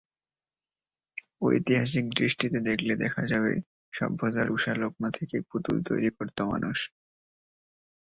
ঐতিহাসিক দৃষ্টিতে দেখলে দেখা যাবে সভ্যতার ঊষা লগ্ন থেকেই পুতুল তৈরি করত মানুষ।